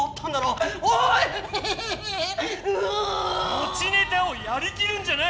もちネタをやりきるんじゃない！